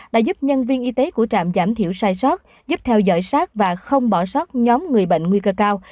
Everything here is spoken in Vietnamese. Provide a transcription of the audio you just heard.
đã giúp nhân viên y tế của trạm giảm thiểu sai sót giúp theo dõi sát và không bỏ sót nhóm người bệnh nguy cơ cao